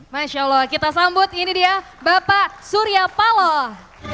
masya allah kita sambut ini dia bapak surya paloh